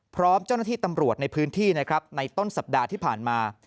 พร้อมเจ้าหน้าที่ตำรวจในพื้นที่นะครับในต้นสัปดาห์ที่ผ่านมา